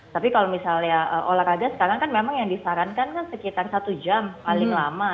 tapi kalau misalnya olahraga sekarang kan memang yang disarankan kan sekitar satu jam paling lama